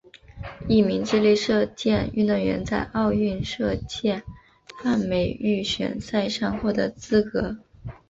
一名智利射箭运动员在奥运射箭泛美预选赛上获得资格。